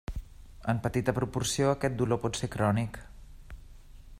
En petita proporció aquest dolor pot ser crònic.